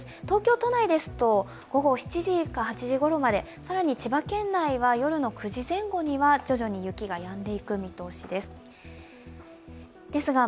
東京都内ですと午後７時か８時ごろまで更に千葉県内は夜の９時前後には徐々に雪がやんでいく見通しです。